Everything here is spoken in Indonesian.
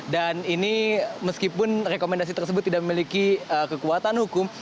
dan ini meskipun rekomendasi tersebut tidak memiliki kekuatan hukum